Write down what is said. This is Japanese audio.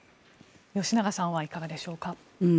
吉永さんはいかがでしょうか。